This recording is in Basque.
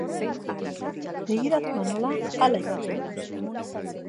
Begiratua nola, hala ikusten nauzu.